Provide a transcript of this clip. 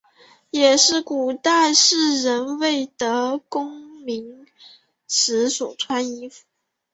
也是古代士人未得功名时所穿衣服。